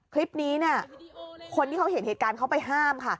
คลิปนี้เนี่ยคนที่เขาเห็นเหตุการณ์เขาไปห้ามค่ะ